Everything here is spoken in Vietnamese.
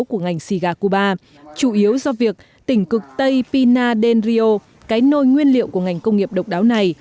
của ngành xì gà cuba chủ yếu do việc tỉnh cực tây pina del rio cái nôi nguyên liệu của ngành công nghiệp độc đáo này